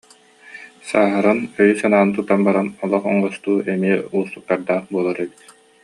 Сааһыран, өйү-санааны тутан баран олох оҥостуу эмиэ уустуктардаах буолар эбит